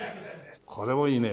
これもいいね。